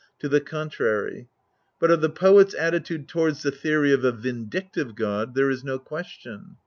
5) to the contrary.! But of the poet's attitude towards the theory of a vindictive God, there is no question.